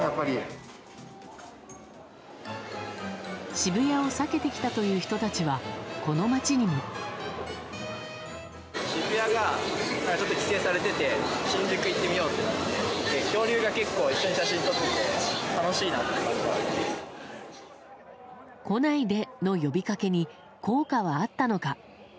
渋谷を避けてきたという人たちは、この街にも。来ないでの呼びかけに効果はあったのか。